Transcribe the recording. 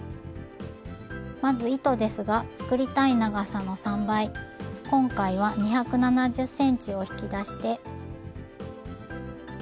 まず糸ですが作りたい長さの３倍今回は２７０ｃｍを引き出して。